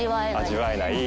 味わえない。